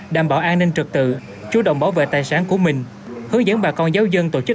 đảm bảo an ninh trực tự chủ động bảo vệ tài sản của mình hướng dẫn bà con giáo dân tổ chức